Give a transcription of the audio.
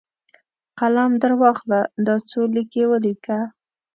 قلم درواخله ، دا څو لیکي ولیکه!